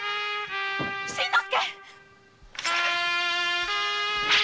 新之助！